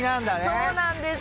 そうなんです。